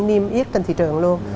cũng niêm yết trên thị trường luôn